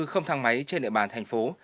không thang máy trên địa bàn thành phố